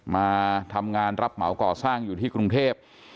มาทำงานรับเหมาก่อสร้างอยู่ที่กรุงเทพ